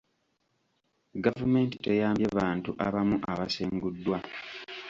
Gavumenti teyambye bantu abamu abasenguddwa.